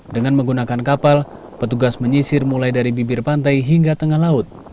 dengan menggunakan kapal petugas menyisir mulai dari bibir pantai hingga tengah laut